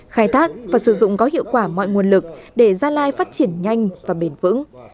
khai thác và sử dụng có hiệu quả mọi nguồn lực để gia lai phát triển nhanh và bền vững